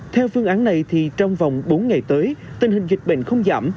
theo phương án này thì trong vòng bốn ngày tới tình hình dịch bệnh không giảm